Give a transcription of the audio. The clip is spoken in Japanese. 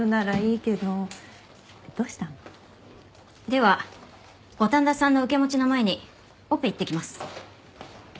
では五反田さんの受け持ちの前にオペ行ってきます。